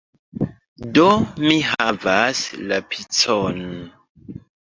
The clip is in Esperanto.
Do, mi havas la picon